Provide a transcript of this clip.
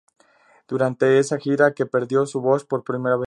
Durante esa gira que perdió su voz por primera vez.